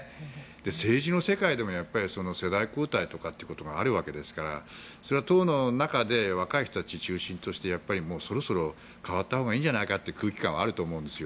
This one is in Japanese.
政治の世界でも世代交代とかってことがあるわけですからそれは党内で若い人たちを中心にしてやっぱりそろそろ代わったほうがいいんじゃないかという空気感はあると思うんですよ。